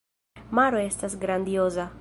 Maro estas grandioza.